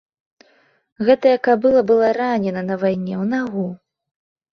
Гэтая кабыла была ранена на вайне ў нагу.